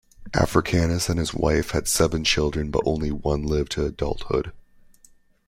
Africanus and his wife had seven children, but only one lived to adulthood.